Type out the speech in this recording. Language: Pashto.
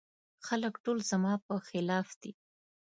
خلګ ټول زما په خلاف دي.